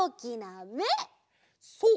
そう！